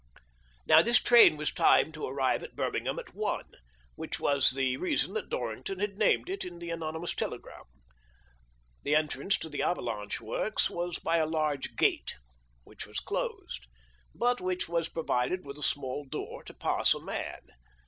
Now this train was timed to arrive at Birming ham at one, which was the reason that Dorring ton had named it in the anonymous telegram. The entrance to the " Avalanche " works was by a large gate, which was closed, but which was provided with a small door to pass a man.